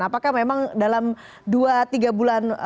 apakah memang dalam dua tiga bulan